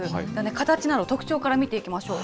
形など、特徴から見ていきましょう。